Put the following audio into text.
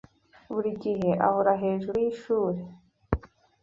Buri gihe ahora hejuru yishuri.